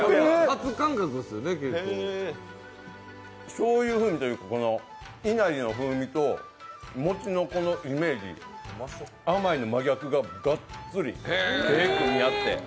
しょうゆ風味というか、いなりの風味と餅のこのイメージ、甘いの真逆ががっつり、手を組み合って。